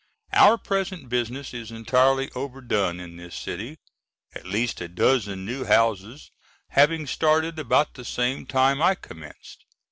Our present business is entirely overdone in this city, at least a dozen new houses having started about the same time I commenced.